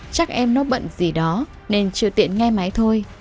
chắc em nó bận gì đó nên chưa tiện nghe máy thôi